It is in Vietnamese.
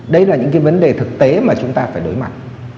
đấy là những cái vấn đề thực tế mà chúng ta phải đối mặt